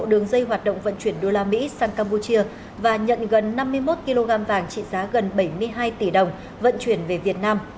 đường dây hoạt động vận chuyển đô la mỹ sang campuchia và nhận gần năm mươi một kg vàng trị giá gần bảy mươi hai tỷ đồng vận chuyển về việt nam